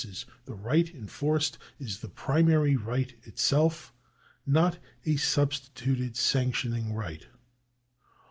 In all these cases the right enforced is the primary right itself, not a substituted sanctioning right.